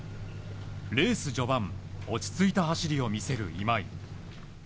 レース序盤落ち着いた走りを見せる今井。